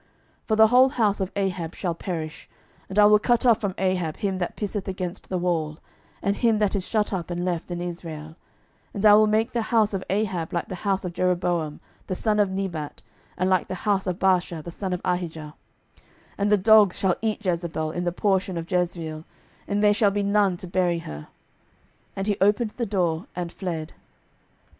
12:009:008 For the whole house of Ahab shall perish: and I will cut off from Ahab him that pisseth against the wall, and him that is shut up and left in Israel: 12:009:009 And I will make the house of Ahab like the house of Jeroboam the son of Nebat, and like the house of Baasha the son of Ahijah: 12:009:010 And the dogs shall eat Jezebel in the portion of Jezreel, and there shall be none to bury her. And he opened the door, and fled.